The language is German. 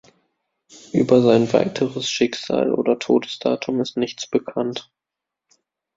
Über sein weiteres Schicksal oder Todesdatum ist nichts bekannt.